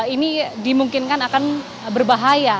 ini dimungkinkan akan berbahaya